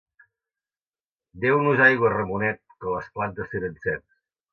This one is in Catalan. Deu-nos aigua, Ramonet, que les plantes tenen set.